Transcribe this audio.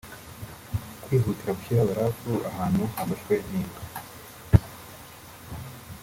Kwihutira gushyira barafu ahantu hafashwe n’imbwa